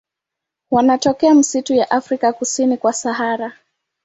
Wanatokea misitu ya Afrika kusini kwa Sahara.